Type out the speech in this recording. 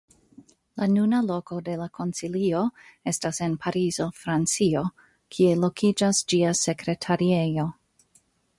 La nuna loko de la Konsilio estas en Parizo, Francio, kie lokiĝas ĝia Sekretariejo.